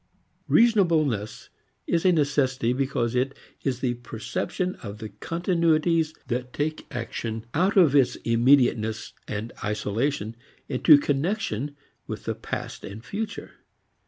Reasonableness is a necessity because it is the perception of the continuities that take action out of its immediateness and isolation into connection with the past and future.